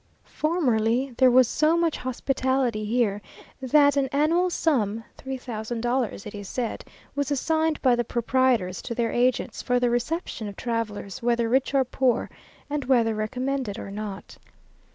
Formerly there was so much hospitality here, that an annual sum (three thousand dollars it is said) was assigned by the proprietors to their agents, for the reception of travellers, whether rich or poor, and whether recommended or not....